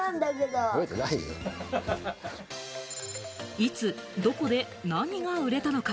いつどこで何が売れたのか。